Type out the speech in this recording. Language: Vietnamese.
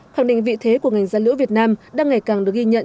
khẳng định vị thế của ngành da liễu việt nam đang ngày càng được ghi nhận